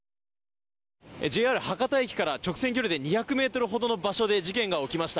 ＪＲ博多駅から直線距離で２００ｍほどの場所で事件が起きました。